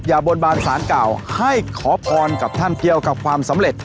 บนบานสารเก่าให้ขอพรกับท่านเกี่ยวกับความสำเร็จ